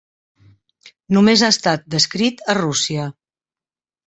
Només ha estat descrit a Rússia.